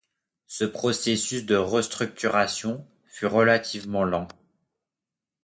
Ce processus de restructuration fut relativement lent.